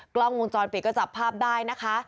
กล้องวงจรปิดก็จับภาพได้นะคะ